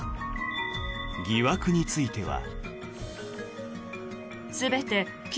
疑惑については。